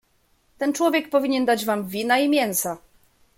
"Ten człowiek powinien dać wam wina i mięsa."